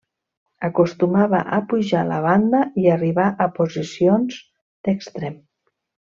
Acostumava a pujar la banda i arribar a posicions d'extrem.